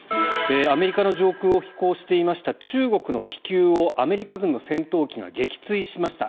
アメリカの上空を飛行していました中国の気球をアメリカ軍の戦闘機が撃墜しました。